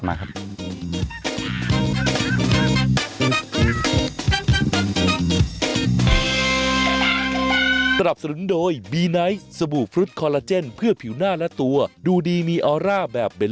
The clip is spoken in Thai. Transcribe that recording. ไม่มีเหรอจริงเหรออ่ะเดี๋ยวกลับมาครับ